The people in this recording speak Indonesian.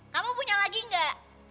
kamu punya lagi gak